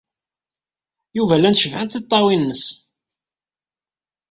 Yuba llant cebḥent tiṭṭawin-nnes.